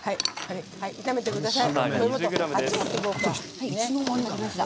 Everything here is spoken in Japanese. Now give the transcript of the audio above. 炒めてください。